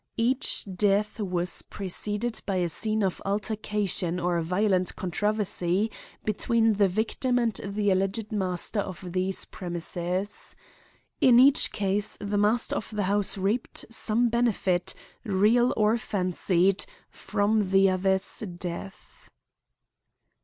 "Each death was preceded by a scene of altercation or violent controversy between the victim and the alleged master of these premises. "In each case the master of the house reaped some benefit, real or fancied, from the other's death."